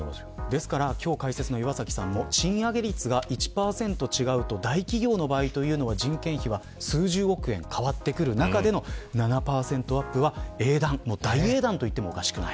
ですから、今日解説の岩崎さんも賃上げ率が１％違うと大企業は人件費は数十億円変わってくる中での７％アップは大英断と言ってもおかしくない。